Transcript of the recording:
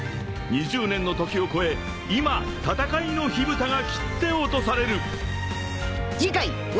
［２０年の時を超え今戦いの火ぶたが切って落とされる！］